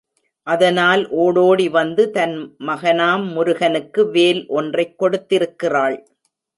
அதனால் ஓடோடி வந்து தன் மகனாம் முருகனக்கு வேல் ஒன்றைக் கொடுத்திருக்கிறாள்.